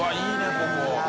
ここ。